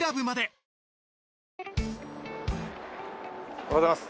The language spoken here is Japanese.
おはようございます。